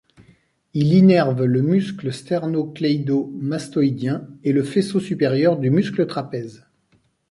Il innerve le muscle sterno-cléido-mastoïdien et le faisceau supérieur du muscle trapèze.